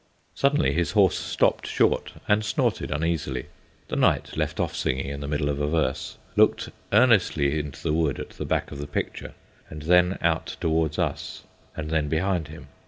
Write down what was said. Suddenly his horse stopped short and snorted uneasily. The knight left off singing in the middle of a verse, looked earnestly into the wood at the back of the picture, and then out towards us, and then behind him.